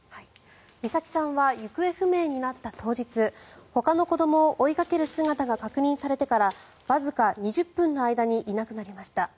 美咲さんは行方不明になった当日ほかの子どもを追いかける姿が確認されてからわずか２０分の間にいなくなりました。